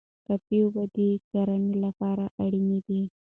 کافي اوبه د کرنې لپاره اړینې دي.